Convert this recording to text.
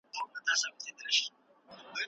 دا پوهه د ټولنیز عمل هر اړخیزه څېړنه کوي.